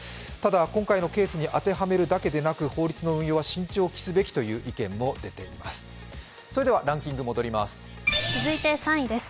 今回のケースに当てはめるだけではなく、法律は慎重をきすべきという意見もあります。